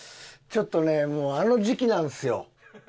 ちょっとねもうあの時期なんですよ。